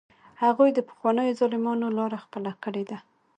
هغوی د پخوانیو ظالمانو لاره خپله کړې ده.